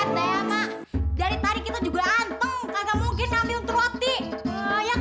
mendingan lo get out pinggir